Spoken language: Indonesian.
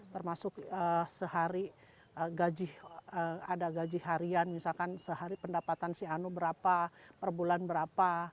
termasuk sehari ada gaji harian misalkan sehari pendapatan si anu berapa per bulan berapa